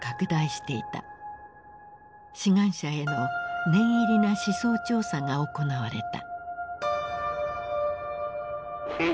志願者への念入りな思想調査が行われた。